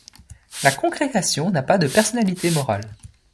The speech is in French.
La congrégation n'a pas de personnalité morale.